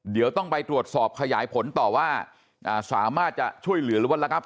เดี๋ยวต้องไปตรวจสอบขยายผลต่อว่าสามารถจะช่วยเหลือหรือว่าระงับ